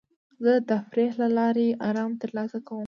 زه د تفریح له لارې ارام ترلاسه کوم.